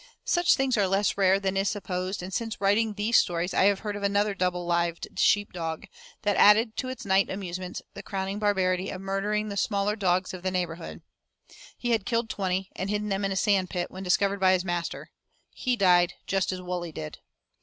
Such things are less rare than is supposed, and since writing these stories I have heard of another double lived sheep dog that added to its night amusements the crowning barbarity of murdering the smaller dogs of the neighborhood. He had killed twenty, and hidden them in a sandpit, when discovered by his master. He died just as Wully did.